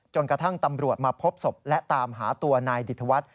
กระทั่งตำรวจมาพบศพและตามหาตัวนายดิธวัฒน์